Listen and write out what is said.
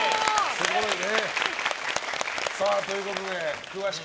すごいね。